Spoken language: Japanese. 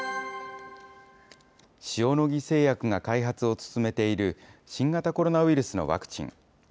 塩野義製薬が開発を進めている、新型コロナウイルスのワクチン。